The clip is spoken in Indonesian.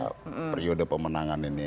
dalam periode pemenangan ini